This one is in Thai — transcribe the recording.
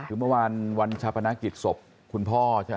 คือเมื่อวานวันชาปนกิจศพคุณพ่อใช่ไหม